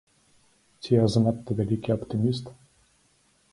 Ці я занадта вялікі аптыміст?